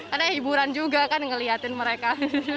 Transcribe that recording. karena hiburan juga kan ngelihatin mereka